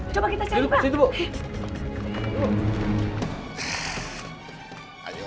coba kita cari pak